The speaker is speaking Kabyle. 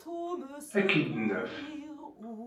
Ad k-id-naf.